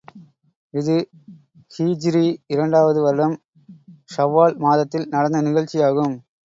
இது ஹீஜ்ரீ இரண்டாவது வருடம் ஷவ்வால் மாதத்தில் நடந்த நிகழ்ச்சியாகும்.